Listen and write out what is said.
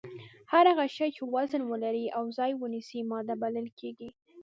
هر هغه شی چې وزن ولري او ځای ونیسي ماده بلل کیږي